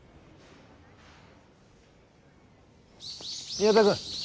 宮田君。